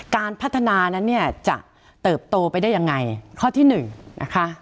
การพัฒนานั้นเนี่ยจะเติบโตไปได้ยังไงข้อที่หนึ่งนะคะ